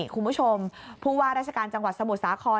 คุณผู้ชมผู้ว่าราชการจังหวัดสมุทรสาคร